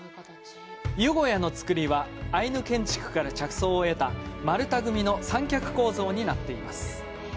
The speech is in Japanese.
湯小屋の造りはアイヌ建築から着想を得た丸太組の三脚構造になっています。